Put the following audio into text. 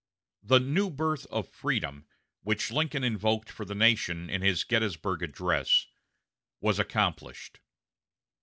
The "new birth of freedom" which Lincoln invoked for the nation in his Gettysburg address, was accomplished.